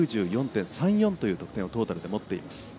１９４．３４という得点をトータルで持っています。